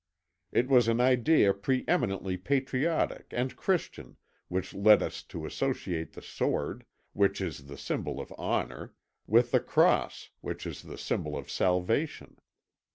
It was an idea pre eminently patriotic and Christian which led us to associate the Sword, which is the symbol of Honour, with the Cross, which is the symbol of Salvation.